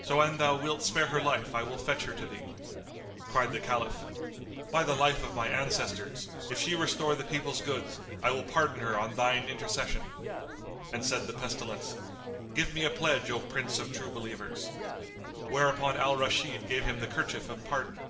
So an thou wilt spare her life I will fetch her to thee." Cried the Caliph, "By the life of my ancestors, if she restore the people's goods, I will pardon her on thine intercession!" And said the Pestilence, "Give me a pledge, O Prince of True Believers!" Whereupon Al Rashid gave him the kerchief of pardon.